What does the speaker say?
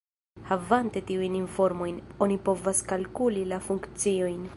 Havante tiujn informojn, oni povas kalkuli la funkciojn.